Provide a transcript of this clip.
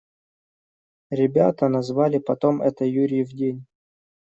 Ребята назвали потом это «Юрьев день».